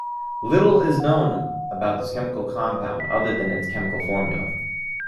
Little is known about this chemical compound other than its chemical formula.